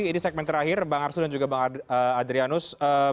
ini segmen terakhir bang arsul dan juga bang adrianus